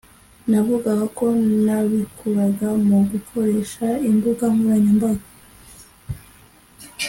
navuga ko nabikuraga mu gukoresha imbuga nkoranyambaga